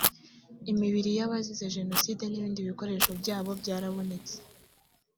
imibiri y ‘abazize jenoside n ‘ibindi bikoresho byabo byarabonetse.